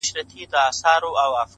پوهه د پرمختللي ژوند بنسټ دی